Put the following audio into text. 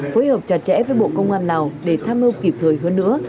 phối hợp chặt chẽ với bộ công an lào để tham mưu kịp thời hơn nữa